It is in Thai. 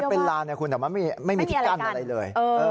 เป็นลานนะคุณแต่มันไม่มีที่กั้นอะไรเลย